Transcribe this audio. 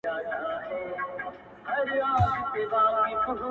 ما جوړ کړی دی دربار نوم مي امیر دی،